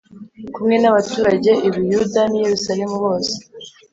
kumwe n abaturage i Buyuda n i Yerusalemu bose